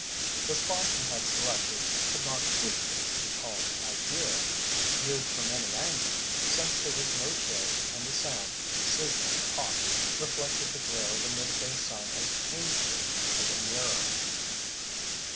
The spot he had selected could not truthfully be called ideal, viewed from any angle, since there was no shade and the sand, sizzling hot, reflected the glare of the mid day sun as painfully as a mirror.